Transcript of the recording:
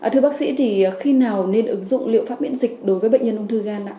thưa bác sĩ khi nào nên ứng dụng liệu pháp miễn dịch đối với bệnh nhân ung thư gan